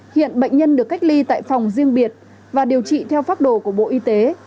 hiện bệnh nhân được cách ly tại phòng riêng biệt và điều trị theo pháp đồ của bộ y tế